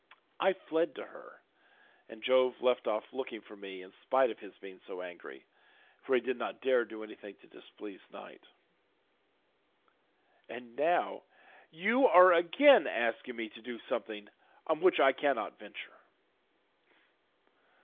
I fled to her and Jove left off looking for me in spite of his being so angry, for he did not dare do anything to displease Night. And now you are again asking me to do something on which I cannot venture."